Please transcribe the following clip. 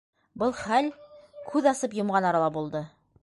Был хәл к үҙ асып йомған арала булды.